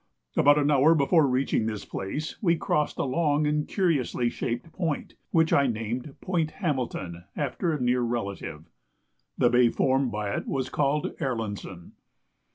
About an hour before reaching this place we crossed a long and curiously shaped point, which I named Point Hamilton after a near relative. The bay formed by it was called Erlandson.